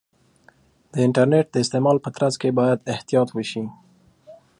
د انټرنیټ د استعمال په ترڅ کې باید احتیاط وشي.